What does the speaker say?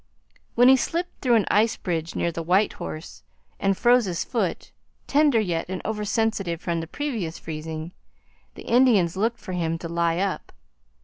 When he slipped through an ice bridge near the White Horse and froze his foot, tender yet and oversensitive from the previous freezing, the Indians looked for him to lie up.